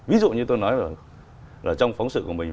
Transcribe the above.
ví dụ như tôi nói là trong phóng sự của mình